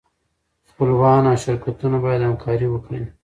خپلوان او شرکتونه باید همکاري وکړي.